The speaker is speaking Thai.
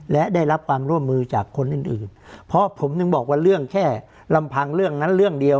และได้รับความร่วมมือจากคนอื่นอื่นเพราะผมถึงบอกว่าเรื่องแค่ลำพังเรื่องนั้นเรื่องเดียว